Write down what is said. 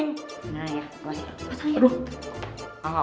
nah ya pasang aja